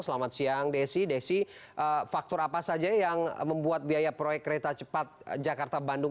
selamat siang desi desi faktor apa saja yang membuat biaya proyek kereta cepat jakarta bandung